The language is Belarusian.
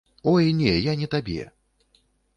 Ой, не, я не табе.